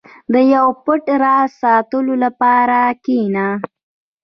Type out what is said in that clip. • د یو پټ راز ساتلو لپاره کښېنه.